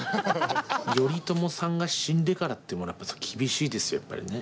頼朝さんが死んでからっていうものは厳しいですよやっぱりね。